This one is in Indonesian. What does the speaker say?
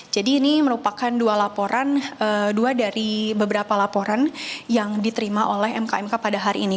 jadi ini merupakan dua laporan dua dari beberapa laporan yang diterima oleh mkmk pada hari ini